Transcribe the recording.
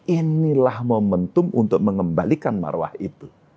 inilah momentum untuk mengembalikan marwah itu